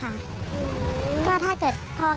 ใช่ค่ะกลับทุกรอบอ่ะค่ะ